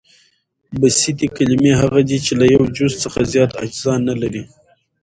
بسیطي کلیمې هغه دي، چي له یوه جز څخه زیات اجزا نه لري.